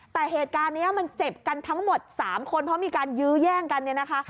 แต่เหตุการณ์นี้มันเจ็บกันทั้งหมด๓คนเพราะมีการยื้อแย่งกันเนี่ยนะคะ